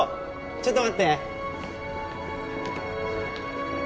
ちょっと待って。